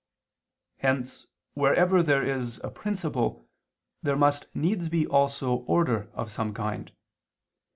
Hence wherever there is a principle, there must needs be also order of some kind.